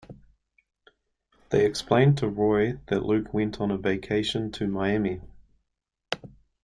They explain to Roy that Luke went on a vacation to Miami.